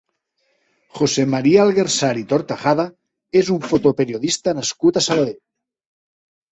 José María Alguersuari Tortajada és un fotoperiodista nascut a Sabadell.